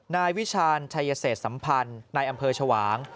นายวิชาญชัยเศษสัมพันธ์นายอำเภอชวาง